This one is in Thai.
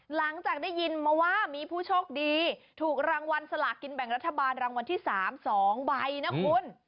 หลังจากได้ยินมาว่ามีผู้โชคดีถูกรางวัลสลากินแบ่งรัฐบาลรางวัลที่๓๒ใบนะคุณ